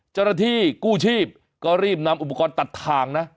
เจรฐีกู้ชีพก็รีบนำอุปกรณ์ตัดทางนะ